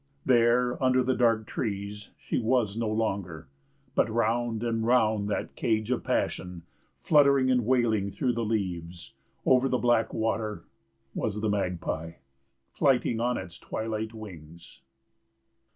There under the dark trees she was no longer, but round and round that cage of passion, fluttering and wailing through the leaves, over the black water, was the magpie, flighting on its twilight wings.